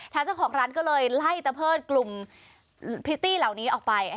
ทางเจ้าของร้านก็เลยไล่ตะเพิดกลุ่มพริตตี้เหล่านี้ออกไป